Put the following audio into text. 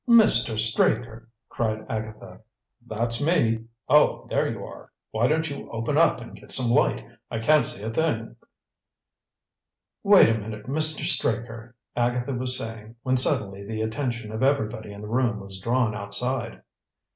"Mr. Straker " cried Agatha. "That's me! Oh, there you are! Why don't you open up and get some light? I can't see a thing." "Wait a minute, Mr. Straker " Agatha was saying, when suddenly the attention of everybody in the room was drawn outside.